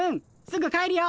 すぐ帰るよ。